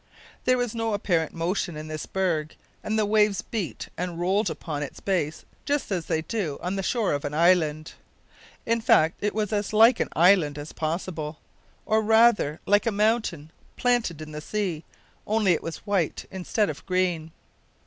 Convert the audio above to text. There was no apparent motion in this berg, and the waves beat and rolled upon its base just as they do on the shore of an island. In fact it was as like an island as possible, or, rather, like a mountain planted in the sea, only it was white instead of green.